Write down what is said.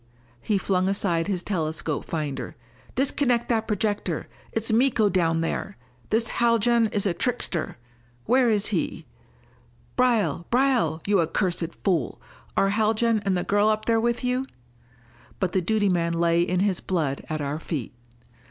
He flung aside his telescope finder. "Disconnect that projector! It's Miko down there! This Haljan is a trickster! Where is he? Braile Braile, you accursed fool! Are Haljan and the girl up there with you?" But the duty man lay in his blood at our feet.